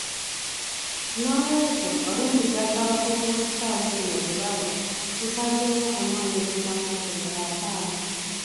N'olwekyo olw'emigaso abakugu mu kisaawe kino gyebawa, tusazeewo okunoonyereza mu masomero ataano.